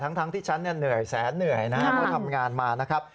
ทั้งที่ฉันเหนื่อยแสนเหนื่อยนะครับเพราะทำงานมานะครับ